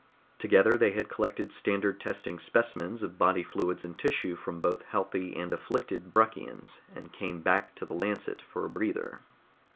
Together they had collected standard testing specimens of body fluids and tissue from both healthy and afflicted Bruckians, and come back to the Lancet for a breather.